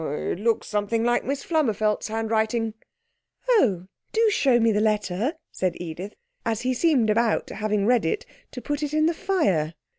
'It looks something like Miss Flummerfelt's handwriting.' 'Oh, do show me the letter!' said Edith, as he seemed about, having read it, to put it in the fire.